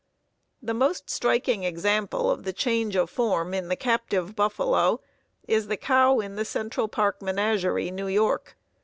The most striking example of the change of form in the captive buffalo is the cow in the Central Park Menagerie, New York.